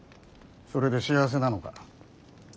それで幸せなのか。